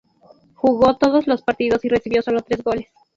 Jugó todos los partidos y recibió solo tres goles.